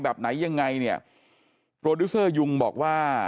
แบบไหนยังไงเนี่ยโปรดิวเซอร์ยุงบอกว่า